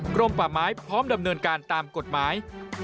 กรมป่าไม้พร้อมดำเนินการตามกฎหมาย